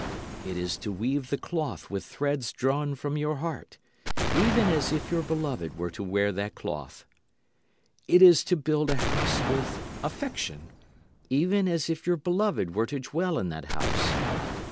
It is to weave the cloth with threads drawn from your heart, even as if your beloved were to wear that cloth. It is to build a house with affection, even as if your beloved were to dwell in that house.